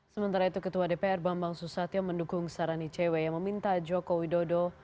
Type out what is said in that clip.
sementara itu ketua dpr bambang susatyo mendukung sarani cewek yang meminta joko widodo